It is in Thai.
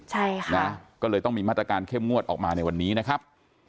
ใช่ค่ะนะก็เลยต้องมีมาตรการเข้มงวดออกมาในวันนี้นะครับ